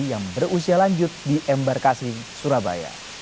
yang berusia lanjut di embarkasi surabaya